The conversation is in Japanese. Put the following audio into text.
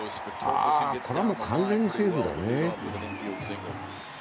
これは完全にセーフだね。